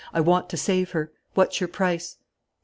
I want to save her. What's your price?"